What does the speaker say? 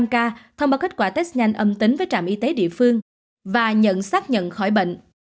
năm ca thông báo kết quả test nhanh âm tính với trạm y tế địa phương và nhận xác nhận khỏi bệnh